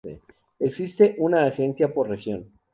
Existe una agencia por región.